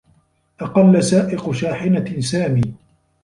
أقلّ سائق شاحنة سامي.